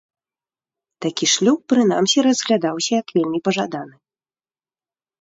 Такі шлюб прынамсі разглядаўся як вельмі пажаданы.